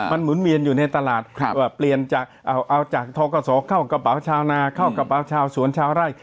มันหมุนเวียนอยู่ในตลาดเปลี่ยนจากเอาจากทกศเข้ากระเป๋าชาวนาเข้ากระเป๋าชาวสวนชาวไร่